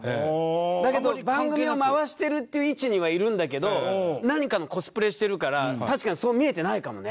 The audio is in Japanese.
だけど番組をまわしてるっていう位置にはいるんだけど何かのコスプレしてるから確かにそう見えてないかもね。